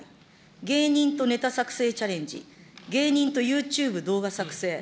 芸人とねた作成チャレンジ、芸人とユーチューブ動画作成。